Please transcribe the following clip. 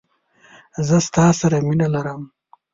زه ستا سره مينه لرم.